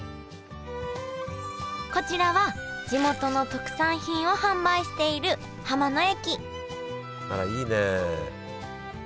こちらは地元の特産品を販売している浜の駅あらいいね。